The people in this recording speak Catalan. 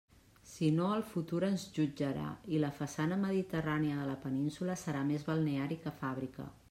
Si no el futur ens jutjarà i la façana mediterrània de la península serà més balneari que fàbrica.